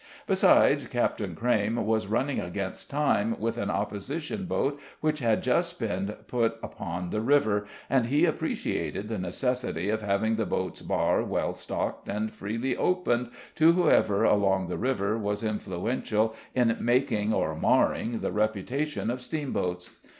Besides, Captain Crayme was running against time with an opposition boat which had just been put upon the river, and he appreciated the necessity of having the boat's bar well stocked and freely opened to whoever along the river was influential in making or marring the reputation of steamboats.